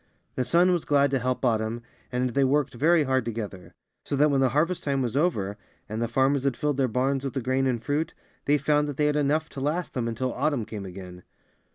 '^ The sun was glad to help Autumn, and they worked very hard together; so that when the harvest time was over, and the farmers had filled their barns with the grain and fruit, they found that they had enough to last them until Autumn came again.